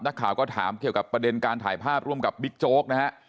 นักข่าวก็ถามเกี่ยวกับประเด็นการถ่ายภาพร่วมกับบิ๊กโจ๊กนะฮะ